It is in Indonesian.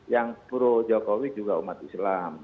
yang pro jokowi juga umat islam